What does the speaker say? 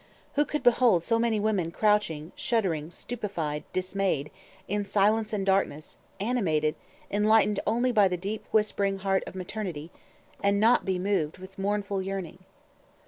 Who could behold so many women crouching, shuddering, stupefied, dismayed, in silence and darkness, animated, enlightened only by the deep whispering heart of maternity, and not be moved with mournful yearning?